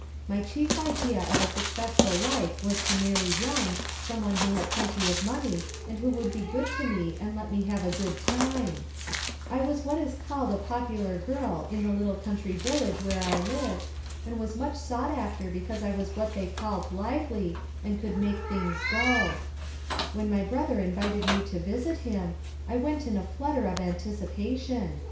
My chief idea of a successful life was to marry young, some one who had plenty of money and who would be good to mo and let me have a goml time I was what is called a popular girl in the little country village where I lived, and was much sought after because I was what they called 'lively' and could 'make things go/ When my brother invited mo to visit him, I went in a flutter of anticipation.